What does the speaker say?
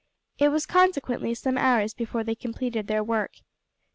It was consequently some hours before they completed their work.